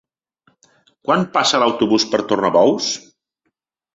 Quan passa l'autobús per Tornabous?